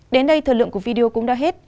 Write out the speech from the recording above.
đến đây thời lượng của video cũng đã hết